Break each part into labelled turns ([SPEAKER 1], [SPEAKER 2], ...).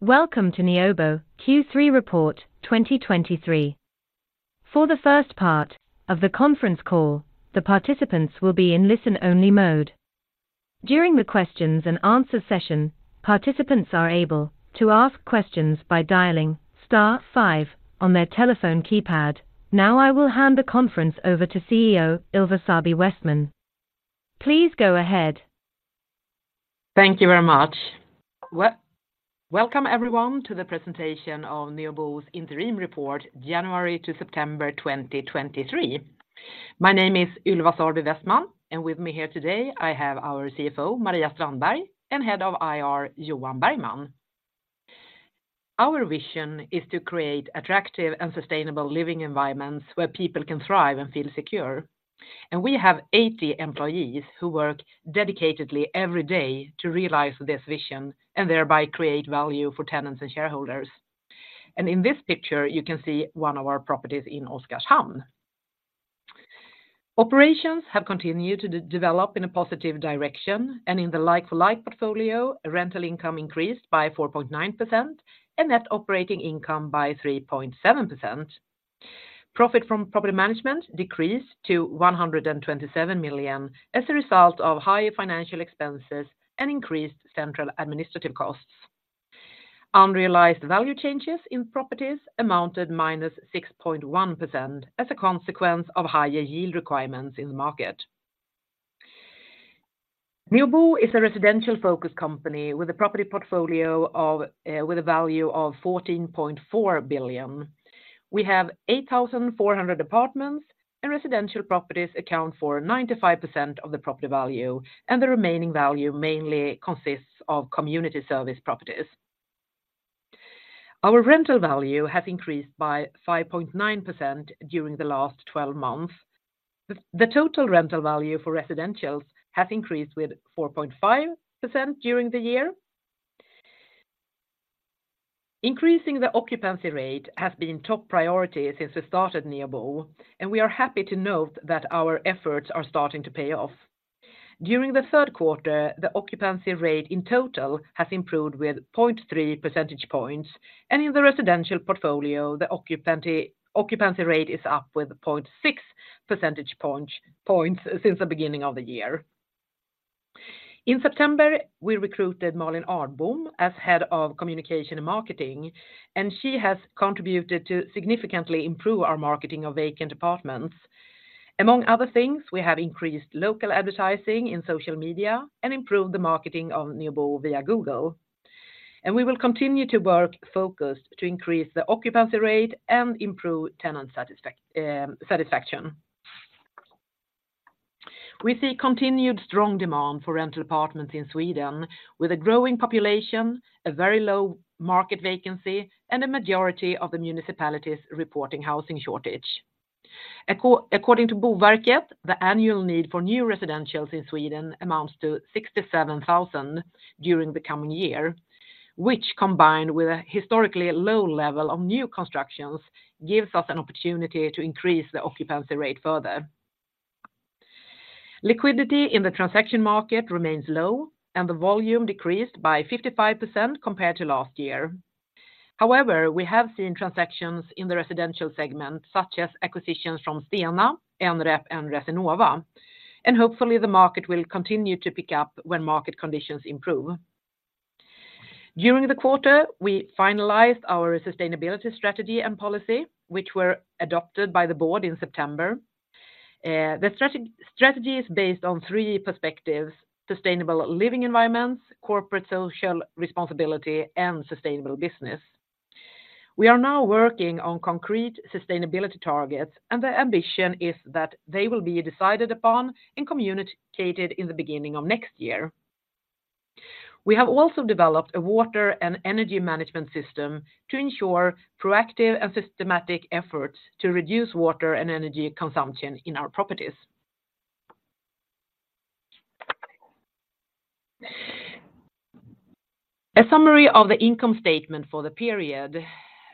[SPEAKER 1] Welcome to Neobo Q3 Report 2023. For the first part of the conference call, the participants will be in listen-only mode. During the questions and answer session, participants are able to ask questions by dialing star five on their telephone keypad. Now, I will hand the conference over to CEO, Ylva Sarby Westman. Please go ahead.
[SPEAKER 2] Thank you very much. Welcome everyone to the presentation of Neobo's interim report, January to September 2023. My name is Ylva Sarby Westman, and with me here today, I have our CFO, Maria Strandberg, and Head of IR, Johan Bergman. Our vision is to create attractive and sustainable living environments where people can thrive and feel secure. We have 80 employees who work dedicatedly every day to realize this vision and thereby create value for tenants and shareholders. In this picture, you can see one of our properties in Oskarshamn. Operations have continued to develop in a positive direction, and in the like-for-like portfolio, rental income increased by 4.9%, and net operating income by 3.7%. Profit from property management decreased to 127 million as a result of higher financial expenses and increased central administrative costs. Unrealized value changes in properties amounted -6.1% as a consequence of higher yield requirements in the market. Neobo is a residential-focused company with a property portfolio of, with a value of 14.4 billion. We have 8,400 apartments, and residential properties account for 95% of the property value, and the remaining value mainly consists of community service properties. Our rental value has increased by 5.9% during the last 12 months. The total rental value for residentials has increased with 4.5% during the year. Increasing the occupancy rate has been top priority since we started Neobo, and we are happy to note that our efforts are starting to pay off. During the third quarter, the occupancy rate in total has improved with 0.3 percentage points, and in the residential portfolio, the occupancy rate is up with 0.6 percentage points since the beginning of the year. In September, we recruited Malin Arnbom as head of communication and marketing, and she has contributed to significantly improve our marketing of vacant apartments. Among other things, we have increased local advertising in social media and improved the marketing of Neobo via Google. We will continue to work focused to increase the occupancy rate and improve tenant satisfaction. We see continued strong demand for rental apartments in Sweden with a growing population, a very low market vacancy, and a majority of the municipalities reporting housing shortage. According to Boverket, the annual need for new residentials in Sweden amounts to 67,000 during the coming year, which, combined with a historically low level of new constructions, gives us an opportunity to increase the occupancy rate further. Liquidity in the transaction market remains low, and the volume decreased by 55% compared to last year. However, we have seen transactions in the residential segment, such as acquisitions from Stena, NREP, and Resona, and hopefully, the market will continue to pick up when market conditions improve. During the quarter, we finalized our sustainability strategy and policy, which were adopted by the board in September. The strategy is based on three perspectives: sustainable living environments, corporate social responsibility, and sustainable business. We are now working on concrete sustainability targets, and the ambition is that they will be decided upon and communicated in the beginning of next year. We have also developed a water and energy management system to ensure proactive and systematic efforts to reduce water and energy consumption in our properties. A summary of the income statement for the period.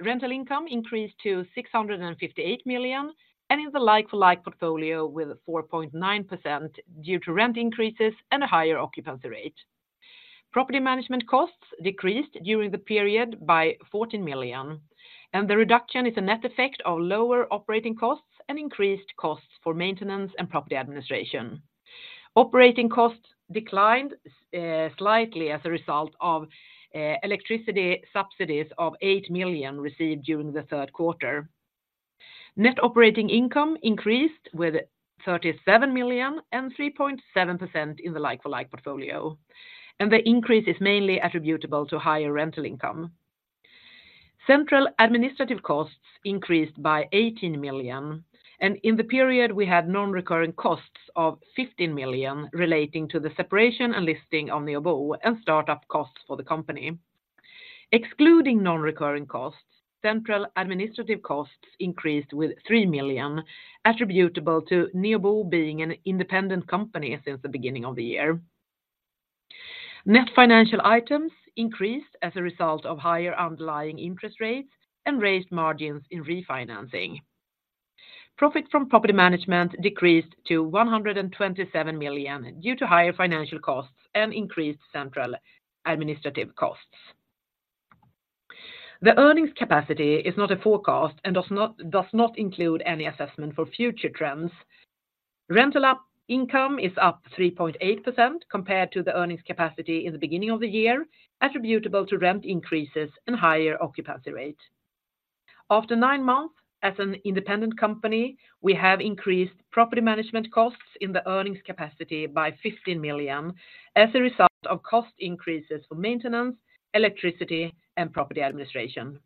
[SPEAKER 2] Rental income increased to 658 million, and in the like-for-like portfolio with 4.9% due to rent increases and a higher occupancy rate. Property management costs decreased during the period by 14 million, and the reduction is a net effect of lower operating costs and increased costs for maintenance and property administration. Operating costs declined slightly as a result of electricity subsidies of 8 million received during the third quarter. Net operating income increased with 37 million and 3.7% in the like-for-like portfolio, and the increase is mainly attributable to higher rental income. Central administrative costs increased by 18 million, and in the period, we had non-recurring costs of 15 million relating to the separation and listing of Neobo and start-up costs for the company. Excluding non-recurring costs, central administrative costs increased with 3 million, attributable to Neobo being an independent company since the beginning of the year. Net financial items increased as a result of higher underlying interest rates and raised margins in refinancing. Profit from property management decreased to 127 million due to higher financial costs and increased central administrative costs. The earnings capacity is not a forecast and does not, does not include any assessment for future trends. Rental income is up 3.8% compared to the earnings capacity in the beginning of the year, attributable to rent increase and higher occupancy rate. After nine months as an independent company, we have increased property management costs in the earnings capacity by 15 million as a result of cost increases for maintenance, electricity, and property administration.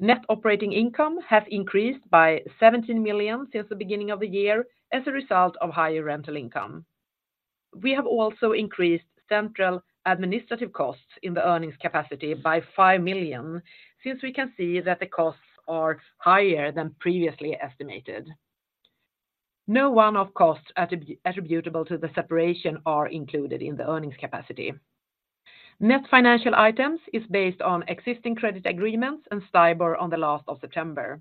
[SPEAKER 2] Net operating income has increased by 17 million since the beginning of the year as a result of higher rental income. We have also increased central administrative costs in the earnings capacity by 5 million, since we can see that the costs are higher than previously estimated. No one-off costs attributable to the separation are included in the earnings capacity. Net financial items is based on existing credit agreements and STIBOR on the last of September.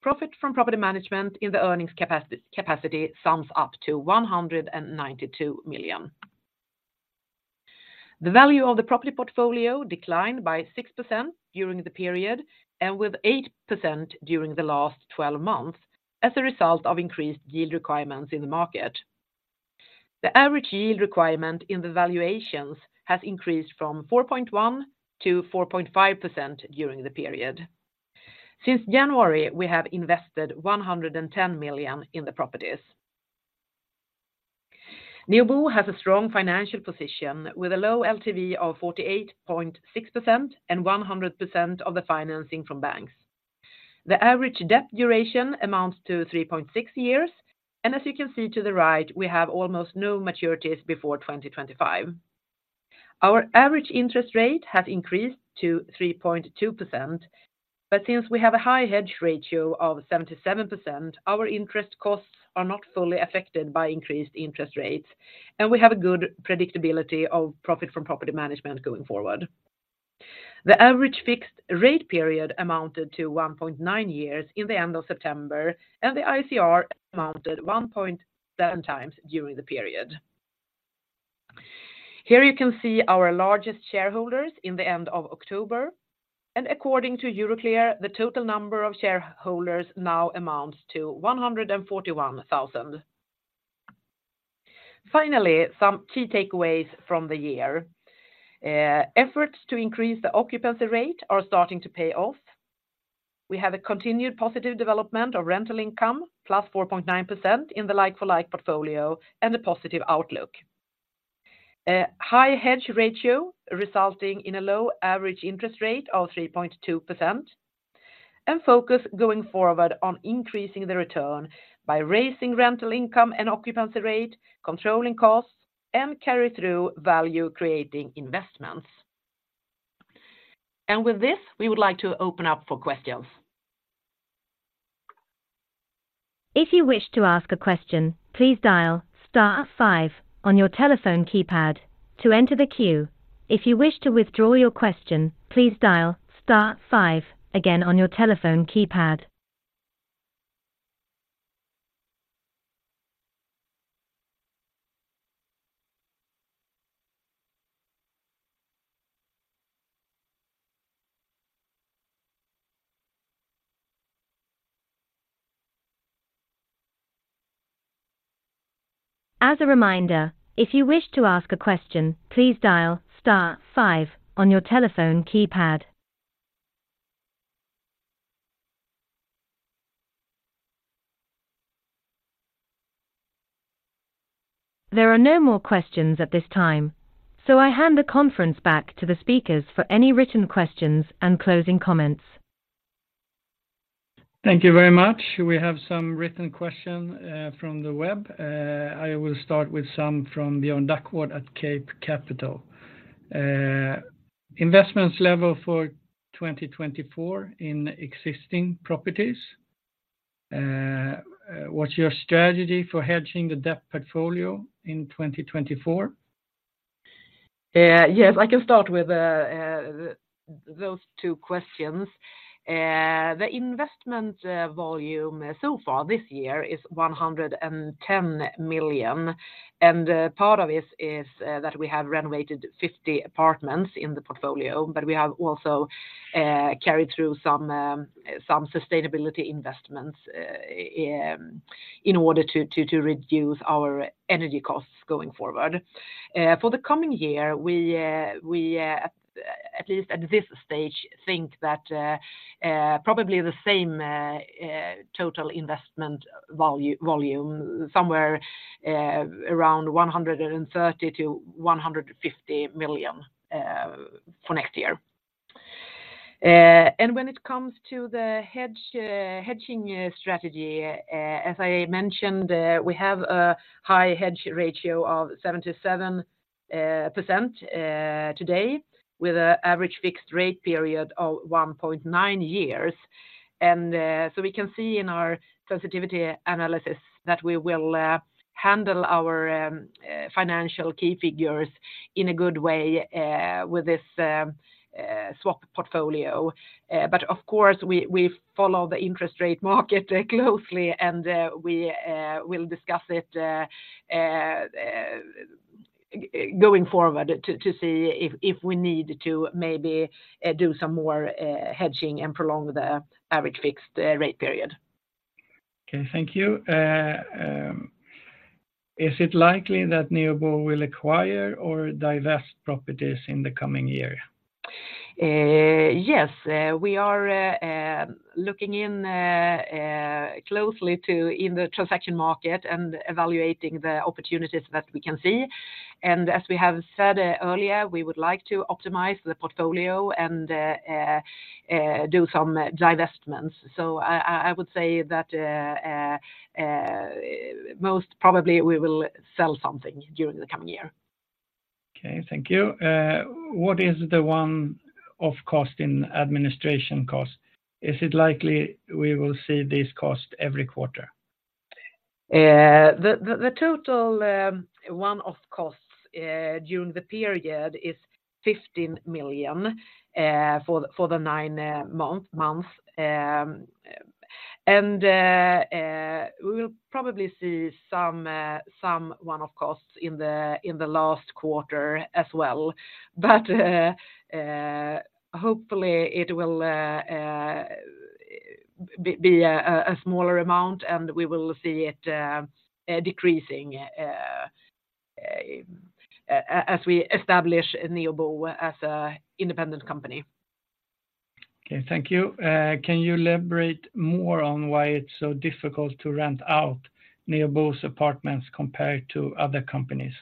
[SPEAKER 2] Profit from property management in the earnings capacity sums up to 192 million. The value of the property portfolio declined by 6% during the period and with 8% during the last twelve months as a result of increased yield requirements in the market. The average yield requirement in the valuations has increased from 4.1%-4.5% during the period. Since January, we have invested 110 million in the properties. Neobo has a strong financial position with a low LTV of 48.6% and 100% of the financing from banks. The average debt duration amounts to 3.6 years, and as you can see to the right, we have almost no maturities before 2025. Our average interest rate has increased to 3.2%, but since we have a high hedge ratio of 77%, our interest costs are not fully affected by increased interest rates, and we have a good predictability of profit from property management going forward. The average fixed rate period amounted to 1.9 years in the end of September, and the ICR amounted to 1.7x during the period. Here you can see our largest shareholders in the end of October, and according to Euroclear, the total number of shareholders now amounts to 141,000. Finally, some key takeaways from the year. Efforts to increase the occupancy rate are starting to pay off. We have a continued positive development of rental income, +4.9% in the like-for-like portfolio and a positive outlook. A high hedge ratio, resulting in a low average interest rate of 3.2%, and focus going forward on increasing the return by raising rental income and occupancy rate, controlling costs, and carry through value-creating investments. With this, we would like to open up for questions.
[SPEAKER 1] If you wish to ask a question, please dial star five on your telephone keypad to enter the queue. If you wish to withdraw your question, please dial star five again on your telephone keypad. As a reminder, if you wish to ask a question, please dial star five on your telephone keypad. There are no more questions at this time, so I hand the conference back to the speakers for any written questions and closing comments.
[SPEAKER 3] Thank you very much. We have some written question from the web. I will start with some from Björn Duckworth at Cape Capital. Investments level for 2024 in existing properties, what's your strategy for hedging the debt portfolio in 2024?
[SPEAKER 2] Yes, I can start with those two questions. The investment volume so far this year is 110 million, and part of it is that we have renovated 50 apartments in the portfolio, but we have also carried through some sustainability investments in order to reduce our energy costs going forward. For the coming year, we at least at this stage think that probably the same total investment value-volume, somewhere around 130 million-150 million for next year. And when it comes to the hedge hedging strategy, as I mentioned, we have a high hedge ratio of 77% today with an average fixed rate period of 1.9 years. So we can see in our sensitivity analysis that we will handle our financial key figures in a good way with this swap portfolio. But of course, we follow the interest rate market closely, and we will discuss it going forward to see if we need to maybe do some more hedging and prolong the average fixed rate period.
[SPEAKER 3] Okay, thank you. Is it likely that Neobo will acquire or divest properties in the coming year?
[SPEAKER 2] Yes. We are looking closely into the transaction market and evaluating the opportunities that we can see. As we have said earlier, we would like to optimize the portfolio and do some divestments. I would say that most probably we will sell something during the coming year.
[SPEAKER 3] Okay, thank you. What is the one-off cost in administration costs? Is it likely we will see this cost every quarter?
[SPEAKER 2] The total one-off costs during the period is 15 million for the nine months. We will probably see some one-off costs in the last quarter as well. Hopefully it will be a smaller amount, and we will see it decreasing as we establish Neobo as an independent company.
[SPEAKER 3] Okay, thank you. Can you elaborate more on why it's so difficult to rent out Neobo's apartments compared to other companies?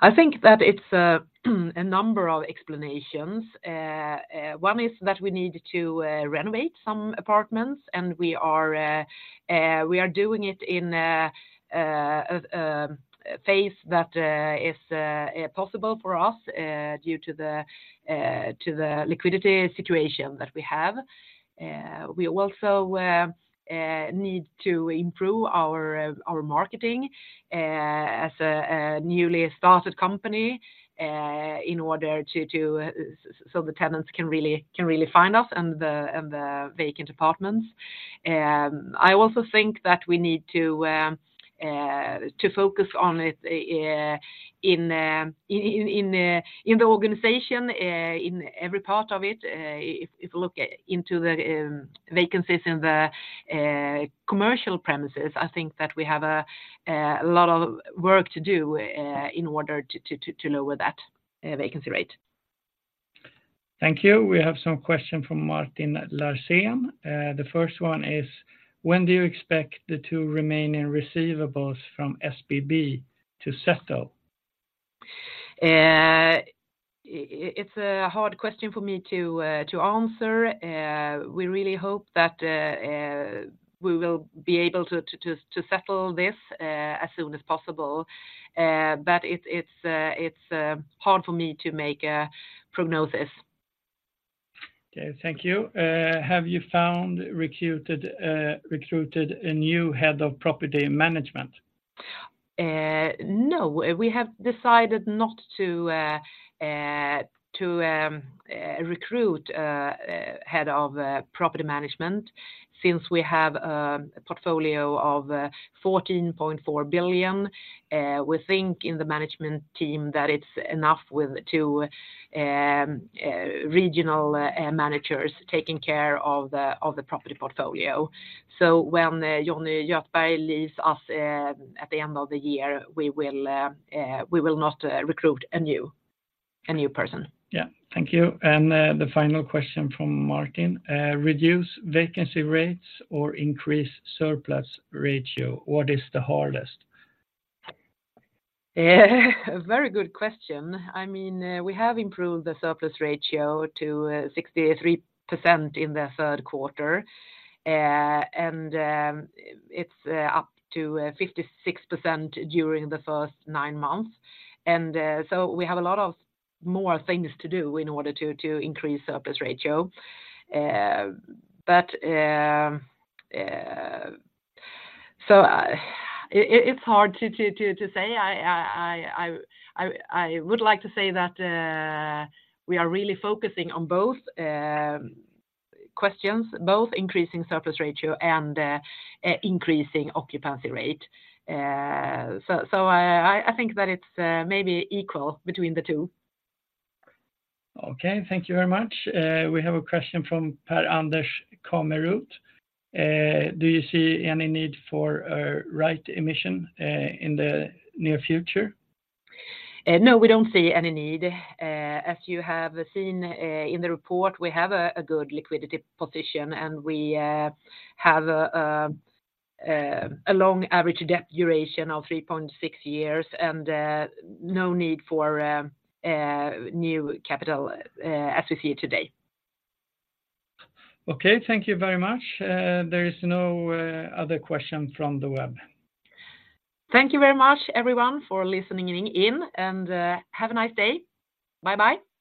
[SPEAKER 2] I think that it's a number of explanations. One is that we need to renovate some apartments, and we are doing it in a phase that is possible for us due to the liquidity situation that we have. We also need to improve our marketing as a newly started company in order to... So the tenants can really find us and the vacant apartments. I also think that we need to focus on it in the organization in every part of it. If you look into the vacancies in the commercial premises, I think that we have a lot of work to do in order to lower that vacancy rate.
[SPEAKER 3] Thank you. We have some question from Martin Larsén. The first one is: When do you expect the two remaining receivables from SBB to settle?
[SPEAKER 2] It's a hard question for me to answer. We really hope that we will be able to settle this as soon as possible. But it's hard for me to make a prognosis.
[SPEAKER 3] Okay, thank you. Have you found, recruited a new head of property management?
[SPEAKER 2] No, we have decided not to recruit a head of property management. Since we have a portfolio of 14.4 billion, we think in the management team that it's enough with two regional managers taking care of the property portfolio. So when Johnny Göthberg leaves us at the end of the year, we will not recruit a new person.
[SPEAKER 3] Yeah. Thank you. And, the final question from Martin: reduce vacancy rates or increase surplus ratio, what is the hardest?
[SPEAKER 2] A very good question. I mean, we have improved the surplus ratio to 63% in the third quarter. And it's up to 56% during the first 9 months. And so we have a lot of more things to do in order to increase surplus ratio. But it's hard to say. I would like to say that we are really focusing on both questions, both increasing surplus ratio and increasing occupancy rate. So I think that it's maybe equal between the two.
[SPEAKER 3] Okay, thank you very much. We have a question from Per-Anders Kornerud. Do you see any need for a rights issue in the near future?
[SPEAKER 2] No, we don't see any need. As you have seen in the report, we have a good liquidity position, and we have a long average debt duration of 3.6 years and no need for new capital, as we see it today.
[SPEAKER 3] Okay, thank you very much. There is no other question from the web.
[SPEAKER 2] Thank you very much, everyone, for listening in, and, have a nice day. Bye-bye.